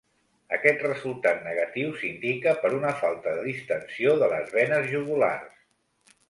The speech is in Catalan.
Aquest resultat negatiu s'indica per una falta de distensió de les venes jugulars.